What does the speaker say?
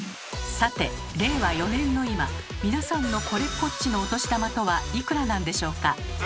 さて令和４年の今皆さんの「これっぽっち」のお年玉とはいくらなんでしょうか。